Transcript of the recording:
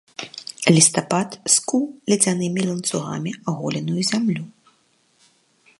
Лістапад скуў ледзянымі ланцугамі аголеную зямлю.